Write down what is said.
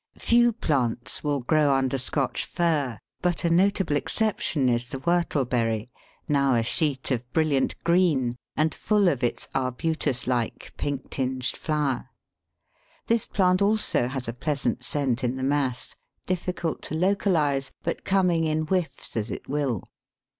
Few plants will grow under Scotch fir, but a notable exception is the Whortleberry, now a sheet of brilliant green, and full of its arbutus like, pink tinged flower. This plant also has a pleasant scent in the mass, difficult to localise, but coming in whiffs as it will.